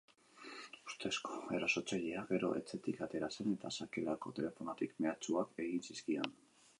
Ustezko erasotzailea gero etxetik atera zen eta sakelako telefonotik mehatxuak egin zizikion.